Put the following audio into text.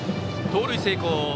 盗塁成功。